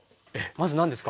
まず何ですか？